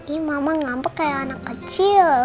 ini mama nampak kayak anak kecil